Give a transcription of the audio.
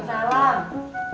gak ngacok dulu cukup